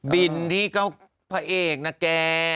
บินที่ก็พระเอกนะแก